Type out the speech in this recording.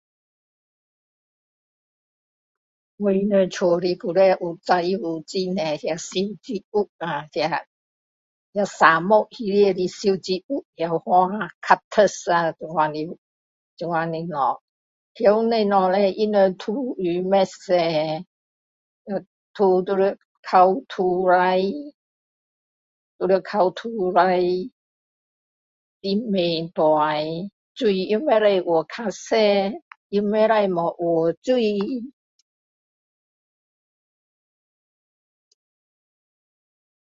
我们家里以前有很多植物有沙漠里面的植物也有cactus 那样的东西那样的东西都用不多要翻土还要翻土慢慢大谁不可以浇太多也不可以浇太多